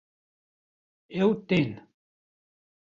Ew tên